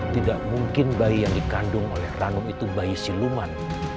tidak mungkin bayi yang dikandung oleh ranu itu bayi siluman